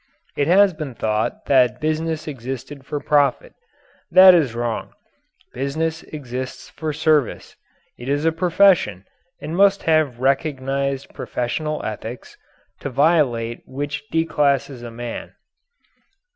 It has been thought that business existed for profit. That is wrong. Business exists for service. It is a profession, and must have recognized professional ethics, to violate which declasses a man.